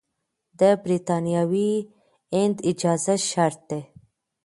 د برتانوي هند اجازه شرط ده.